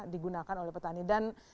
digunakan oleh petani dan